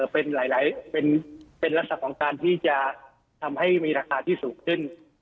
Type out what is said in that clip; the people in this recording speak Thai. เป็นลักษณะของการที่จะทำให้มีราคาที่สูงขึ้น